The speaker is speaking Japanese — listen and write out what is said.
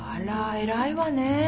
偉いわねぇ。